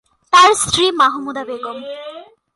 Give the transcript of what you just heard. তার স্ত্রী মাহমুদা বেগম।